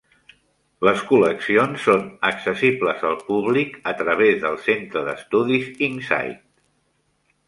Les col·leccions són accessibles al públic a través del centre d'estudis Insight.